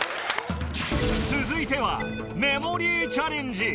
続いてはメモリーチャレンジ